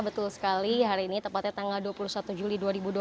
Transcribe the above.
betul sekali hari ini tepatnya tanggal dua puluh satu juli dua ribu dua puluh